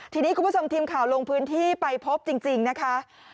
ทีนี้คุณผู้ชมทีมข่าวลงพื้นที่ไปพบจริงนะคะ